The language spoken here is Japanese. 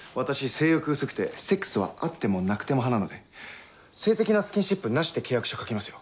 性欲薄くてセックスはあってもなくても派なので性的なスキンシップなしって契約書書きますよ。